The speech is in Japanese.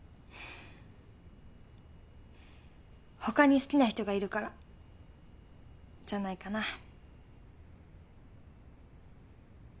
ほかに好きな人がいるからじゃないかな。